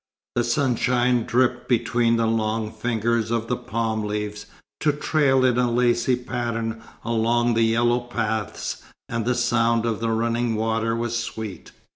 The sunshine dripped between the long fingers of the palm leaves, to trail in a lacy pattern along the yellow paths, and the sound of the running water was sweet.